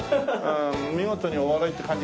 見事にお笑いって感じが。